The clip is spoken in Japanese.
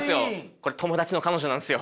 これ友達の彼女なんですよ。